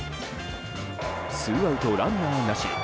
ツーアウト、ランナーなし。